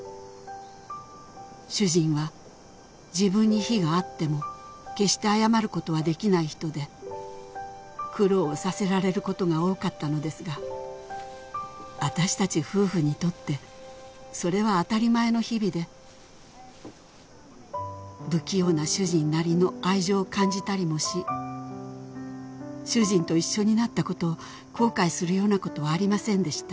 「主人は自分に非があっても決して謝ることはできない人で苦労をさせられることが多かったのですが私達夫婦にとってそれはあたりまえの日々で不器用な主人なりの愛情を感じたりもし主人と一緒になったことを後悔するようなことはありませんでした」